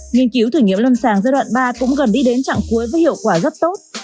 nghiên cứu thử nghiệm lâm sàng giai đoạn ba cũng gần đi đến trạng cuối với hiệu quả rất tốt